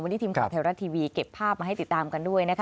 วันนี้ทีมข่าวไทยรัฐทีวีเก็บภาพมาให้ติดตามกันด้วยนะคะ